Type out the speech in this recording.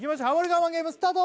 我慢ゲームスタート！